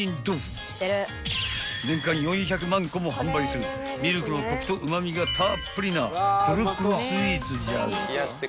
［年間４００万個も販売するミルクのコクとうま味がたっぷりなぷるぷるスイーツじゃが］